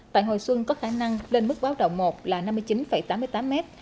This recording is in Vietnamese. tại hồi xuân có khả năng lên mức báo động một là năm mươi chín tám mươi tám m